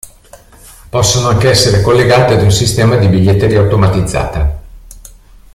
Possono anche essere collegate ad un sistema di biglietteria automatizzata.